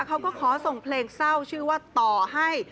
เขาก็ขอส่งเพลงเศร้าชื่อว่าต่อให้